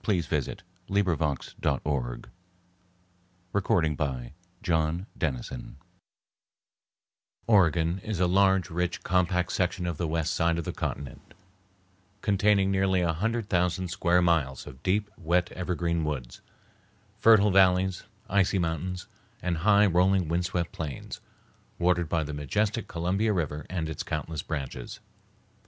The Physical and Climatic Characteristics of Oregon Oregon is a large, rich, compact section of the west side of the continent, containing nearly a hundred thousand square miles of deep, wet evergreen woods, fertile valleys, icy mountains, and high, rolling wind swept plains, watered by the majestic Columbia River and its countless branches.